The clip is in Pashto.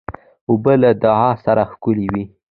اوبه له دعا سره ښکلي وي.